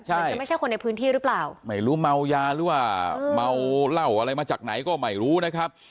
มันจะไม่ใช่คนในพื้นที่หรือเปล่าไม่รู้เมายาหรือว่าเมาเหล้าอะไรมาจากไหนก็ไม่รู้นะครับ